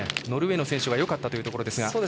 ノルウェーの選手はよかったというところですが。